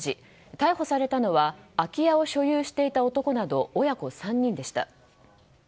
逮捕されたのは空き家を所有していた男など親子３人でした。